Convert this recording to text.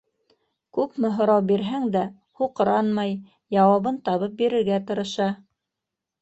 Күпме һорау бирһәң дә, һуҡранмай, яуабын табып бирергә тырыша.